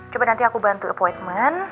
coba nanti aku bantu appointment